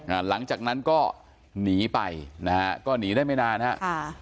หลังจากนั้นก็หนีไปนะฮะก็หนีได้ไม่นานฮะค่ะ